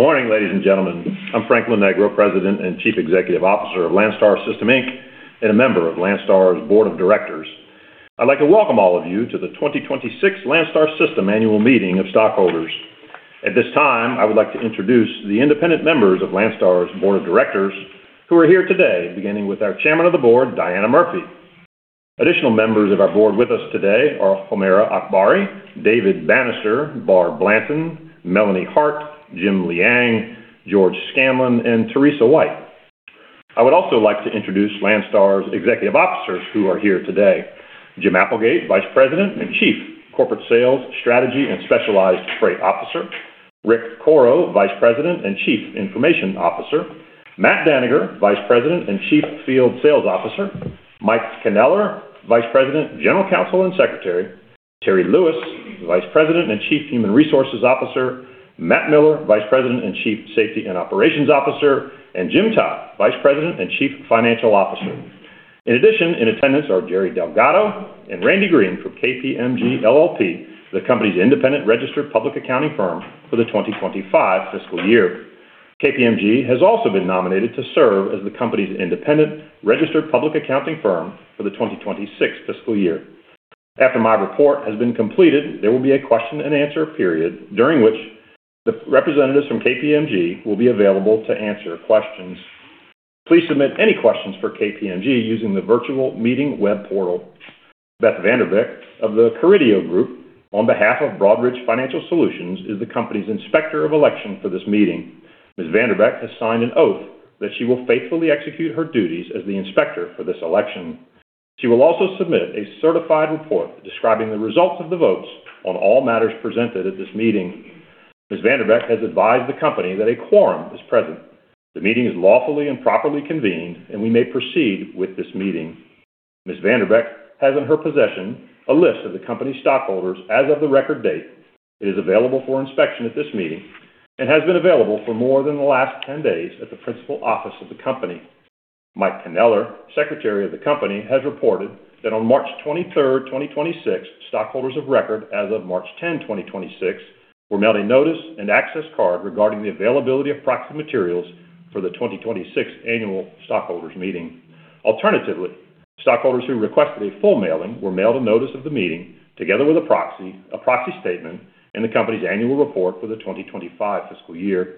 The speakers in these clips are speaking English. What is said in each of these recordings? Good morning, ladies and gentlemen. I'm Frank Lonegro, President and Chief Executive Officer of Landstar System, Inc and a member of Landstar's board of directors. I'd like to welcome all of you to the 2026 Landstar System Annual Meeting of Stockholders. At this time, I would like to introduce the independent members of Landstar's Board of Directors who are here today, beginning with our Chairman of the Board, Diana Murphy. Additional members of our board with us today are Homaira Akbari, David Bannister, Barr Blanton, Melanie Hart, Jim Liang, George Scanlon, and Teresa White. I would also like to introduce Landstar's Executive Officers who are here today. Jim Applegate, Vice President and Chief Corporate Sales, Strategy, and Specialized Freight Officer. Rick Coro, Vice President and Chief Information Officer. Matt Dannegger, Vice President and Chief Field Sales Officer. Michael Kneller, Vice President, General Counsel, and Secretary. Terri Lewis, Vice President and Chief Human Resources Officer. Matt Miller, Vice President and Chief Safety and Operations Officer, and Jim Todd, Vice President and Chief Financial Officer. In addition, in attendance are Jerry Delgado and Randy Green from KPMG LLP, the company's independent registered public accounting firm for the 2025 fiscal year. KPMG has also been nominated to serve as the company's independent registered public accounting firm for the 2026 fiscal year. After my report has been completed, there will be a question-and-answer period during which the representatives from KPMG will be available to answer questions. Please submit any questions for KPMG using the virtual meeting web portal. Beth VanDerbeck of The Carideo Group on behalf of Broadridge Financial Solutions is the company's inspector of election for this meeting. Ms. VanDerbeck has signed an oath that she will faithfully execute her duties as the inspector for this election. She will also submit a certified report describing the results of the votes on all matters presented at this meeting. Ms. VanDerbeck has advised the company that a quorum is present. The meeting is lawfully and properly convened. We may proceed with this meeting. Ms. VanDerbeck has in her possession a list of the company stockholders as of the record date. It is available for inspection at this meeting and has been available for more than the last 10 days at the principal office of the company. Mike Kneller, Secretary of the company, has reported that on March 23rd, 2026, stockholders of record as of March 10, 2026, were mailed a notice and access card regarding the availability of proxy materials for the 2026 annual stockholders meeting. Alternatively, stockholders who requested a full mailing were mailed a notice of the meeting together with a proxy, a proxy statement in the company's annual report for the 2025 fiscal year.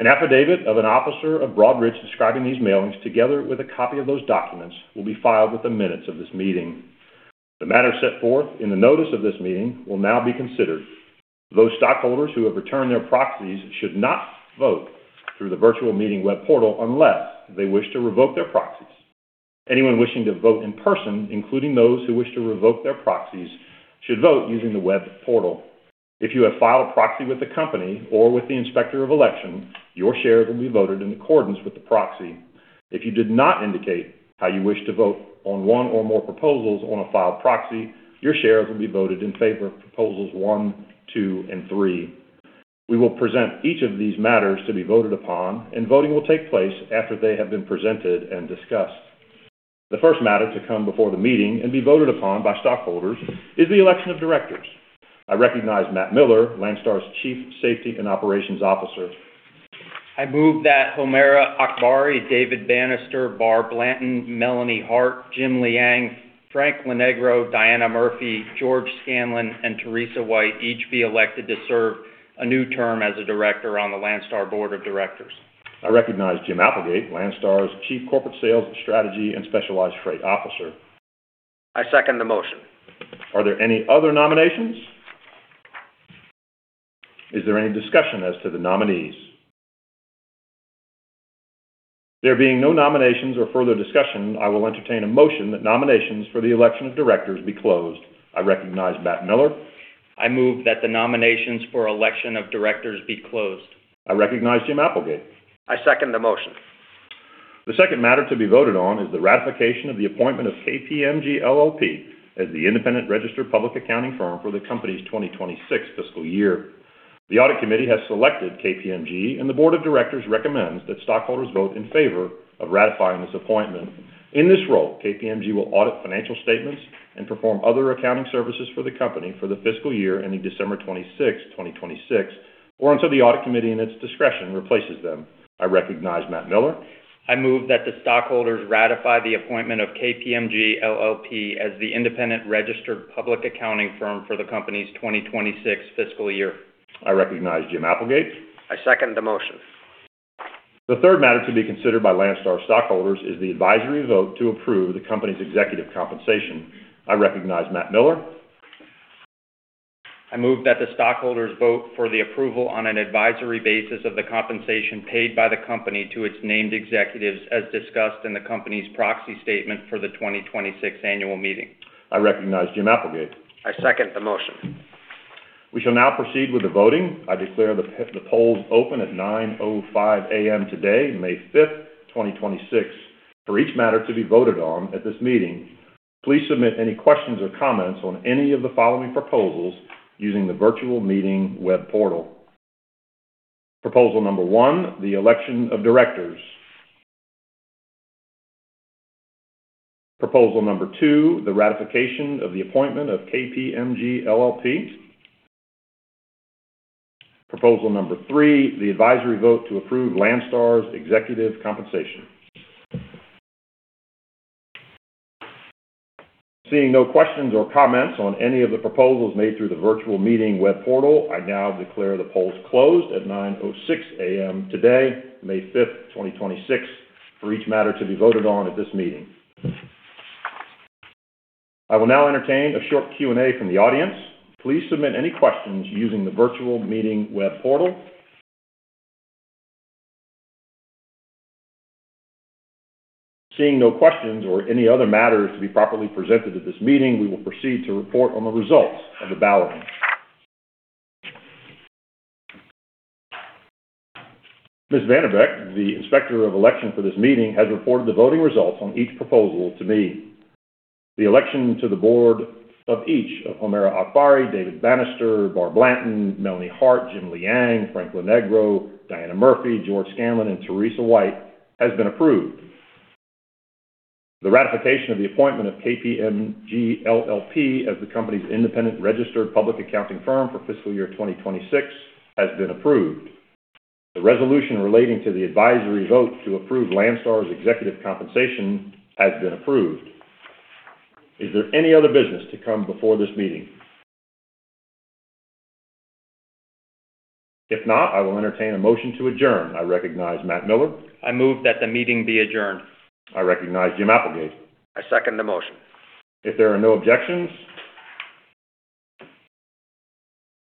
An affidavit of an officer of Broadridge describing these mailings together with a copy of those documents will be filed with the minutes of this meeting. The matter set forth in the notice of this meeting will now be considered. Those stockholders who have returned their proxies should not vote through the virtual meeting web portal unless they wish to revoke their proxies. Anyone wishing to vote in person, including those who wish to revoke their proxies, should vote using the web portal. If you have filed a proxy with the company or with the inspector of election, your shares will be voted in accordance with the proxy. If you did not indicate how you wish to vote on one or more proposals on a filed proxy, your shares will be voted in favor of proposals one, two, and three. We will present each of these matters to be voted upon, and voting will take place after they have been presented and discussed. The first matter to come before the meeting and be voted upon by stockholders is the election of directors. I recognize Matt Miller, Landstar's Chief Safety and Operations Officer. I move that Homaira Akbari, David Bannister, Barr Blanton, Melanie Hart, Jim Liang, Frank Lonegro, Diana Murphy, George Scanlon, and Teresa White each be elected to serve a new term as a director on the Landstar Board of Directors. I recognize Jim Applegate, Landstar's Chief Corporate Sales, Strategy, and Specialized Freight Officer. I second the motion. Are there any other nominations? Is there any discussion as to the nominees? There being no nominations or further discussion, I will entertain a motion that nominations for the election of directors be closed. I recognize Matt Miller. I move that the nominations for election of directors be closed. I recognize Jim Applegate. I second the motion. The second matter to be voted on is the ratification of the appointment of KPMG LLP as the independent registered public accounting firm for the company's 2026 fiscal year. The audit committee has selected KPMG, and the Board of Directors recommends that stockholders vote in favor of ratifying this appointment. In this role, KPMG will audit financial statements and perform other accounting services for the company for the fiscal year ending December 26, 2026, or until the audit committee, in its discretion, replaces them. I recognize Matt Miller. I move that the stockholders ratify the appointment of KPMG LLP as the independent registered public accounting firm for the company's 2026 fiscal year. I recognize Jim Applegate. I second the motion. The third matter to be considered by Landstar stockholders is the advisory vote to approve the company's executive compensation. I recognize Matt Miller. I move that the stockholders vote for the approval on an advisory basis of the compensation paid by the company to its named executives, as discussed in the company's proxy statement for the 2026 annual meeting. I recognize Jim Applegate. I second the motion. We shall now proceed with the voting. I declare the polls open at 9:05 A.M. today, May 5th, 2026, for each matter to be voted on at this meeting. Please submit any questions or comments on any of the following proposals using the virtual meeting web portal. Proposal number one: the election of directors. Proposal number two: the ratification of the appointment of KPMG LLP. Proposal number three: the advisory vote to approve Landstar's executive compensation. Seeing no questions or comments on any of the proposals made through the virtual meeting web portal, I now declare the polls closed at 9:06 A.M. today, May 5th, 2026, for each matter to be voted on at this meeting. I will now entertain a short Q&A from the audience. Please submit any questions using the virtual meeting web portal. Seeing no questions or any other matters to be properly presented at this meeting, we will proceed to report on the results of the balloting. Ms. VanDerbeck, the Inspector of Election for this meeting, has reported the voting results on each proposal to me. The election to the board of each of Homaira Akbari, David Bannister, Barr Blanton, Melanie Hart, Jim Liang, Frank Lonegro, Diana Murphy, George Scanlon, and Teresa White has been approved. The ratification of the appointment of KPMG LLP as the company's independent registered public accounting firm for fiscal year 2026 has been approved. The resolution relating to the advisory vote to approve Landstar's executive compensation has been approved. Is there any other business to come before this meeting? If not, I will entertain a motion to adjourn. I recognize Matt Miller. I move that the meeting be adjourned. I recognize Jim Applegate. I second the motion. If there are no objections,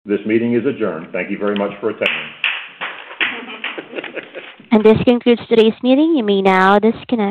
this meeting is adjourned. Thank you very much for attending. This concludes today's meeting. You may now disconnect.